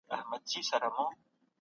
د کیسو کتابونه ماسومان ډېر خوښوي.